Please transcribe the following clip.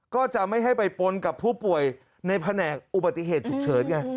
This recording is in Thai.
ก็จะไม่ให้ไปปนกับผู้ป่วยในแผนกอุบัติเหตุฉุกเฉินไง